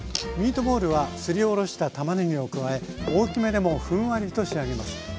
ミートボールはすりおろしたたまねぎを加え大きめでもふんわりと仕上げます。